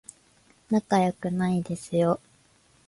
仲良くないですよ